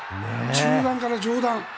中段から上段。